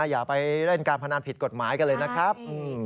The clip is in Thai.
อย่าไปเล่นการพนันผิดกฎหมายกันเลยนะครับ